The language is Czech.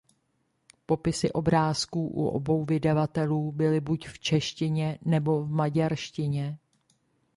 Popisy obrázků u obou vydavatelů byly buď v češtině nebo v maďarštině.